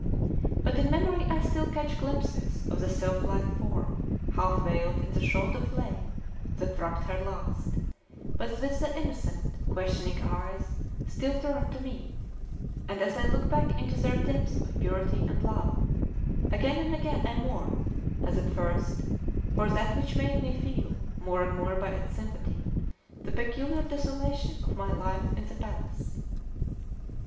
But in memory I still catch glimpses of the sylph like form, half veiled in the shroud of flame that wrapped her last, but with the innocent, questioning eyes still turned to me; and as I look back into their depths of purity and love, again and again I mourn, as at first, for that which made me feel, more and more by its sympathy, the peculiar desolation of my life in the palace.